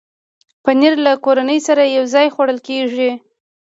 پنېر له کورنۍ سره یو ځای خوړل کېږي.